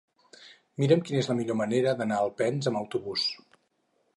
Mira'm quina és la millor manera d'anar a Alpens amb autobús.